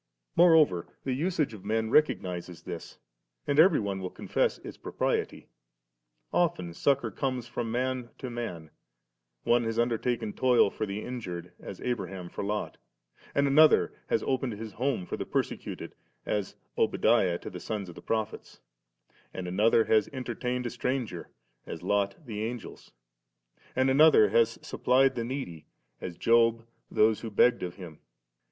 Moreover the usage of men recognises this, and every one will confess its propriety. Often succour comes from man to man ; one has undertaken toil for the injured, as Abraham for Lot; and another has opened his home to the persecuted, as Obadiah to the sons of the prophets; and another has entertained a stranger, as Lot the Angels ; and another has supplied the needy, as Job those who begged of him.